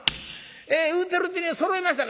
え言うてるうちにそろいましたか？